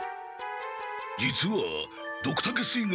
実はドクタケ水軍